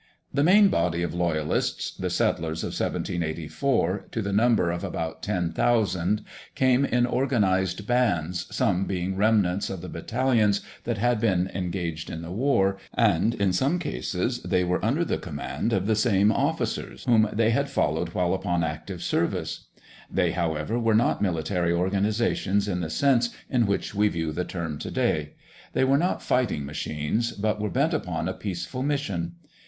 [Illustration: Some Loyalist Household Articles] The main body of Loyalists, the settlers of 1784, to the number of about ten thousand, came in organized bands, some being remnants of the battalions that had been engaged in the war, and, in some cases, they were under the command of the same officers whom they had followed while upon active service. They, however, were not military organizations in the sense in which we view the term to day; they were not fighting machines, but were bent upon a peaceful mission.